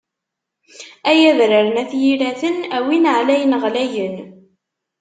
Ay adrar n at Yiraten, a win ɛlayen ɣlayen.